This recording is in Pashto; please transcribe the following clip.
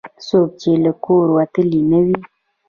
څوک چې له کوره وتلي نه وي.